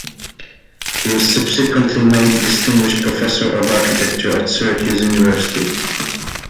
He was subsequently made Distinguished Professor of Architecture at Syracuse University.